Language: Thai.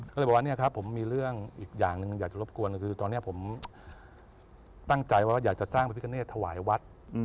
ก็เลยบอกว่าเนี่ยครับผมมีเรื่องอีกอย่างหนึ่งอยากจะรบกวนคือตอนนี้ผมตั้งใจว่าอยากจะสร้างพระพิกาเนตถวายวัด